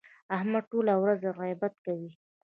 احمد ټوله ورځ غیبت کوي.